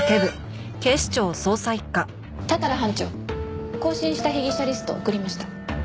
多々良班長更新した被疑者リスト送りました。